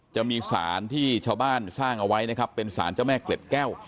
จะมีสารที่ชาวบ้านสร้างเอาไว้นะครับเป็นสารเจ้าแม่เกล็ดแก้ว